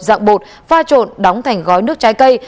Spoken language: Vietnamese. dạng bột pha trộn đóng thành gói nước trái cây